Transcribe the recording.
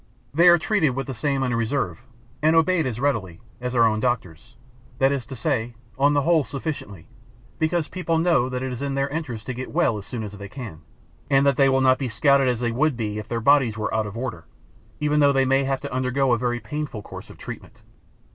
They are treated with the same unreserve, and obeyed as readily, as our own doctors—that is to say, on the whole sufficiently—because people know that it is their interest to get well as soon as they can, and that they will not be scouted as they would be if their bodies were out of order, even though they may have to undergo a very painful course of treatment.